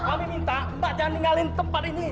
kami minta mbak jangan tinggalin tempat ini